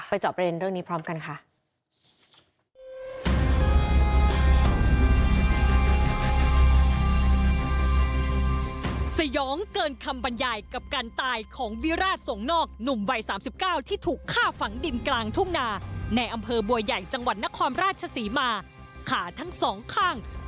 จอบประเด็นเรื่องนี้พร้อมกันค่ะ